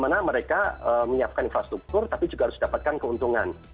bagaimana mereka menyiapkan infrastruktur tapi juga harus dapatkan keuntungan